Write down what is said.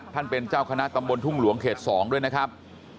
ท่านเป็นเจ้าคณะตำบลทุ่งหลวงเขต๒ด้วยนะครับ